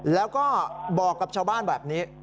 แล้วก็บอกกับชาวบ้านแบบนี้